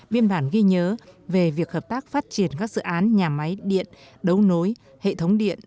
biên bản ghi nhớ về việc hợp tác phát triển các dự án nhà máy điện đấu nối hệ thống điện